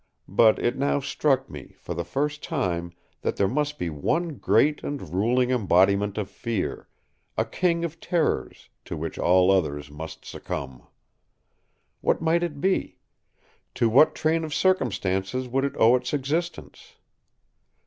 But it now struck me, for the first time, that there must be one great and ruling embodiment of fear—a King of Terrors, to which all others must succumb. What might it be? To what train of circumstances would it owe its existence?